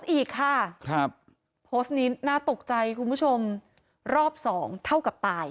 อีกค่ะหนะปกใจคุณผู้ชมรอบ๒เท่ากับปาย